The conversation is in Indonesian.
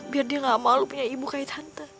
biar dia gak malu punya ibu kayak tante